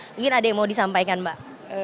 mungkin ada yang mau disampaikan mbak